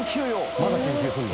まだ研究するの？